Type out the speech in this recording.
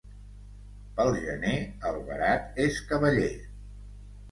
Pel gener, el verat és cavaller.